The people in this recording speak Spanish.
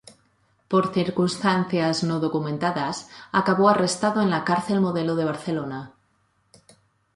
Por circunstancias no documentadas, acabó arrestado en la cárcel Modelo de Barcelona.